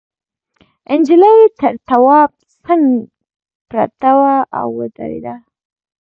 نجلۍ تر تواب څنگ پرته وه او ودرېده.